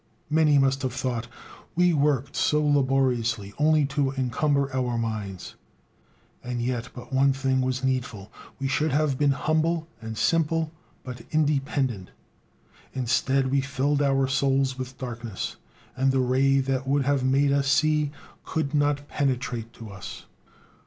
Many must have thought: We worked so laboriously only to encumber our minds, and yet but one thing was needful: we should have been humble and simple, but independent. Instead, we filled our souls with darkness, and the ray that would have made us see, could not penetrate to us.